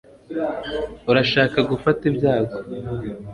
urashaka gufata ibyago